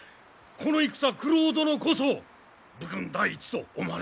この戦九郎殿こそ武勲第一と思われますぞ！